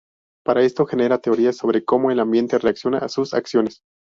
Para esto genera teorías sobre cómo el ambiente reacciona a sus acciones.